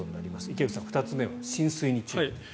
池内さん、２つ目は浸水に注意。